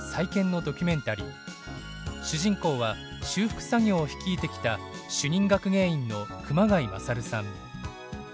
主人公は修復作業を率いてきた主任学芸員の熊谷賢さん。